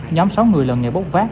nhóm sáu người lợn nghệ bốc vác